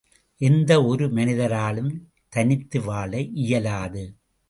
எந்த ஒரு மனிதராலும் தனித்து வாழ இயலாது.